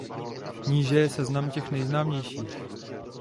Níže je seznam těch nejznámějších.